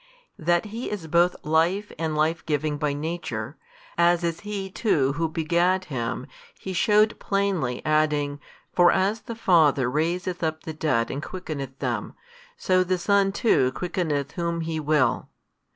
That He is both Life and Life giving by Nature, as is He too Who begat Him, He shewed plainly, adding, For as the Father raiseth up the dead and quickeneth them, so the Son too quick eneth whom He will.